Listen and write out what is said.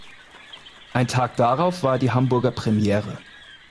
Ein Tag darauf war die Hamburger Premiere.